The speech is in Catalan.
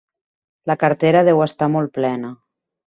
La cartera deu estar molt plena.